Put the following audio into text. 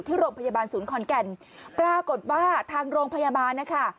ที่โรงพยาบาลศูนย์ขอนแก่นปรากฏว่าทางโรงพยาบาลนะคะ